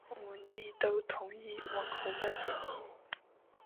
宋文帝都同意王弘的建议。